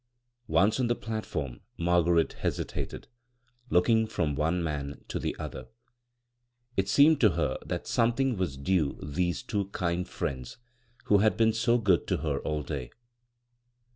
Once on the platform Margaret hesitated, looking hom one man to the other. It b, Google I CROSS CURRENTS seemed to ber that something' was due these two kind friends who had been so good to her all day.